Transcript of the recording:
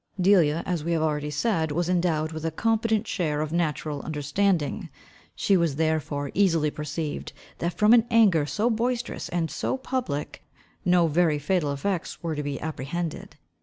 Delia, as we have already said, was endowed with a competent share of natural understanding. She therefore easily perceived, that from an anger so boisterous and so public, no very fatal effects were to be apprehended.